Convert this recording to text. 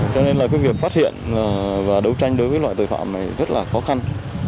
cho nên là cái việc phát hiện và đấu tranh đối với loại tội phạm này rất là khó khăn